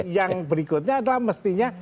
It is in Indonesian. yang berikutnya adalah mestinya